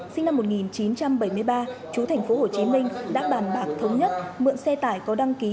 sinh năm một nghìn chín trăm bảy mươi ba chú thành phố hồ chí minh đã bàn bạc thống nhất mượn xe tải có đăng ký